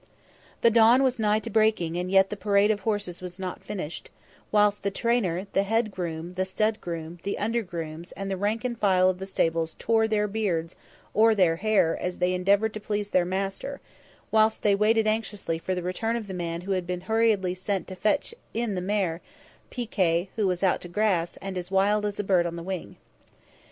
The dawn was nigh to breaking, and yet the parade of horses was not finished; whilst the trainer, the head groom, the stud groom, the under grooms and the rank and file of the stables tore their beards or their hair as they endeavoured to please their master, whilst they waited anxiously for the return of the man who had been hurriedly sent to fetch in the mare, Pi Kay, who was out to grass, and as wild as a bird on the wing.